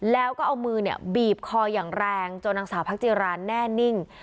แล้วก็เอามือเนี่ยบีบคออย่างแรงจนนางสาวพักจิรานแน่นิ่ง